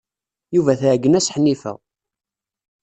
Yuba tɛeggen-as Ḥnifa.